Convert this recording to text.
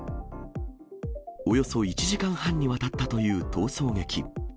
およそ１時間半にわたったという逃走劇。